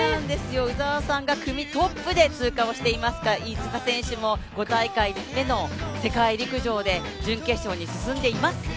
鵜澤さんが組トップで通過していますし、飯塚選手も５大会目の世界陸上で準決勝に進んでいます。